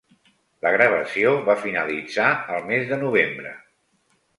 La gravació va finalitzar el mes de novembre.